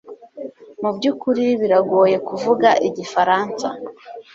Mu byukuri biragoye kuvuga igifaransa